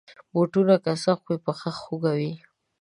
بوټونه که سخت وي، پښه خوږوي.